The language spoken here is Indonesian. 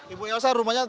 ibu elsa rumahnya